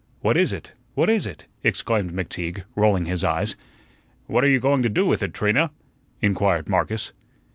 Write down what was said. "What is it what is it?" exclaimed McTeague, rolling his eyes. "What are you going to do with it, Trina?" inquired Marcus.